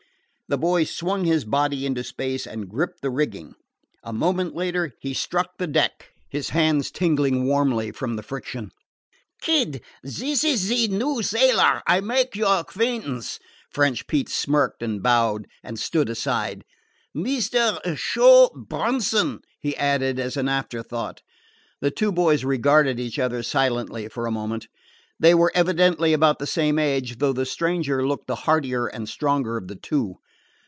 The boy swung his body into space and gripped the rigging. A moment later he struck the deck, his hands tingling warmly from the friction. "Kid, dis is ze new sailor. I make your acquaintance." French Pete smirked and bowed, and stood aside. "Mistaire Sho Bronson," he added as an afterthought. The two boys regarded each other silently for a moment. They were evidently about the same age, though the stranger looked the heartier and stronger of the two.